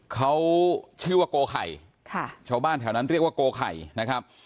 เขาชื่อว่าโกไข่ค่ะชาวบ้านแถวนั้นเรียกว่าโกไข่นะครับ